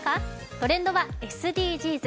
トレンドはＳＤＧｓ。